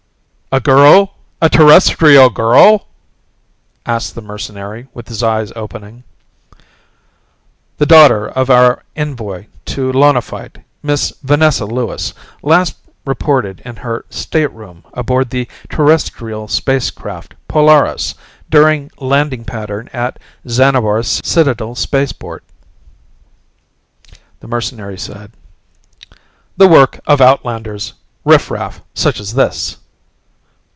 "A girl? A Terrestrial girl?" asked the mercenary with his eyes opening. "The daughter of our envoy to Lonaphite. Miss Vanessa Lewis. Last reported in her stateroom aboard the Terrestrial Spacecraft Polaris during landing pattern at Xanabar Citadel Spaceport." The mercenary said, "The work of outlanders riffraff such as this!"